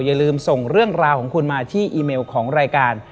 อย่าลืมส่งเรื่องราวของคุณมาที่อีเมลของรายการ